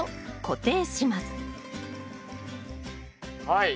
はい。